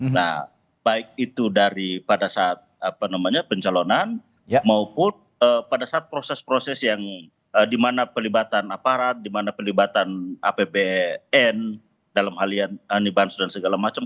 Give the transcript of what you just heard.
nah baik itu dari pada saat apa namanya pencalonan maupun pada saat proses proses yang di mana pelibatan aparat di mana pelibatan apbn dalam halian anibans dan segala macam